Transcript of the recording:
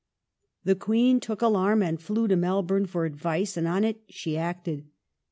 The Queen took alarm and flew to Melbourne for advice, and on it she acted.